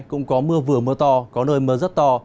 cũng có mưa vừa mưa to có nơi mưa rất to